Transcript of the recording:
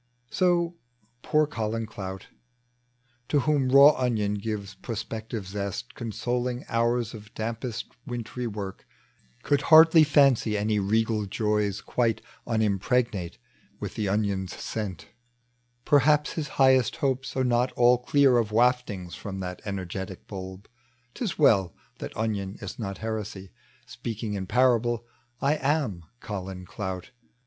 So poor Colin Clout, To whom raw onion gives prospective zest, Consoling hom^ of dampest wintry work, Could hardly fancy any regal joys Quite unimpregnate with the onion's scent : Perhaps his highest hopes are not all clear Of waftinga from that enei^etic tnlb : 'Tis well that onion is not heresy. Speaking in parable, I am Colin Clout.